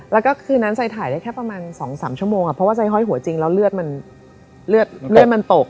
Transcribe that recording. แล้วก็คืนนั้นไซถ่ายได้แค่ประมาณ๒๓ชั่วโมงเพราะว่าไซห้อยหัวจริงแล้วเลือดมันเลือดมันตก